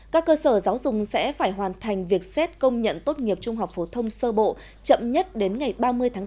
các cơ sở giáo dục sẽ phải hoàn thành việc xét công nhận tốt nghiệp trung học phổ thông sơ bộ chậm nhất đến ngày ba mươi tháng bốn